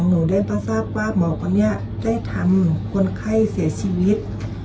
หนูได้มาทราบว่าหมอคนนี้ได้ทำคนไข้เสียชีวิต